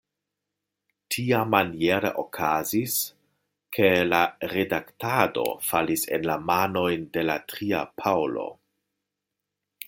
Tiamaniere okazis, ke la redaktado falis en la manojn de la tria Paŭlo!